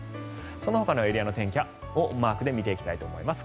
そのほかのエリアの天気もマークで見ていきたいと思います。